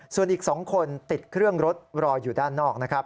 ส่วนอีก๒คนติดเครื่องรถรออยู่ด้านนอกนะครับ